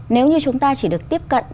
nếu như chúng ta chỉ được tiếp cận